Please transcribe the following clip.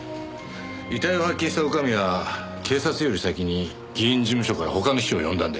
遺体を発見した女将は警察より先に議員事務所から他の秘書を呼んだんだよな？